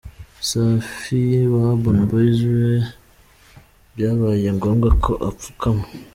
Safi wa Urban Boys we byabaye ngombwa ko apfukama.